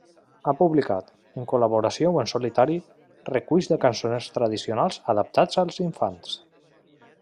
Ha publicat, en col·laboració o en solitari, reculls de cançoners tradicionals adaptats als infants.